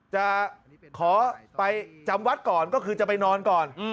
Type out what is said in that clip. จะขอไปจำวัดก่อนก็คือจะไปนอนก่อน